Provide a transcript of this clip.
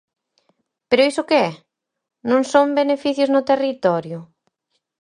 ¿Pero iso que é?, ¿non son beneficios no territorio?